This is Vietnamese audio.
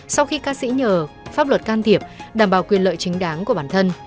sau khi ca sĩ nhờ pháp luật can thiệp đảm bảo quyền lợi chính đáng của bản thân